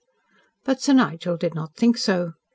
But Sir Nigel did not think so.